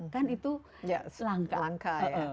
kan itu langka